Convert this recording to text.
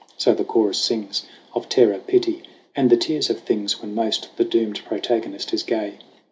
So the Chorus sings Of terror, pity and the tears of things When most the doomed protagonist is gay.